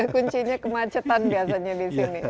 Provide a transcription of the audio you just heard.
kuncinya kemacetan biasanya di sini